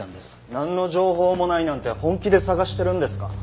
なんの情報もないなんて本気で捜してるんですか？